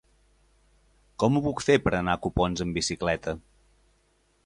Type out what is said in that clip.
Com ho puc fer per anar a Copons amb bicicleta?